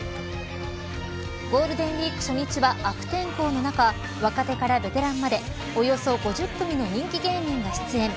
ゴールデンウイーク初日は悪天候の中若手からベテランまでおよそ５０組の人気芸人が出演。